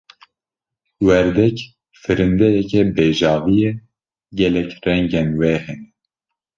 Werdek, firindeyeke bejavî ye, gelek rengên wê hene.